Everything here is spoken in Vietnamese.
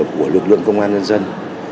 của lực lượng công an nhân dân